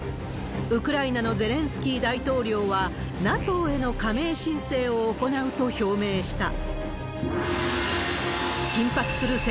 ウクライナのゼレンスキー大統領は、ＮＡＴＯへの加盟申請を行うと表明した。